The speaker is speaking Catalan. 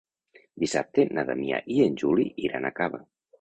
Dissabte na Damià i en Juli iran a Cava.